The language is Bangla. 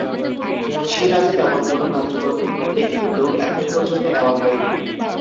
সে কাজে তেমন কোনো কার্যকর কূটনৈতিক উদ্যোগ এখন পর্যন্ত নেওয়া হয়নি।